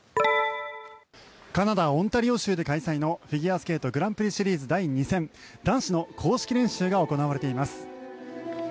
カナダ・オンタリオ州で開催のフィギュアスケートグランプリシリーズ第２戦男子の公式練習が行われています。